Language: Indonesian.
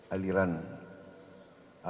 alirannya sama pak ya